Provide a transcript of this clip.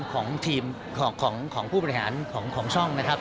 ของทีมของผู้บริหารของช่องนะครับ